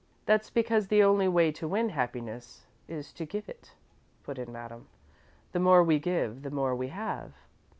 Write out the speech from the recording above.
"That's because the only way to win happiness is to give it," put in Madame. "The more we give, the more we have."